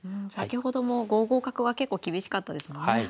先ほども５五角は結構厳しかったですもんね。